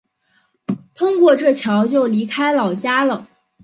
通过这桥就离开老家了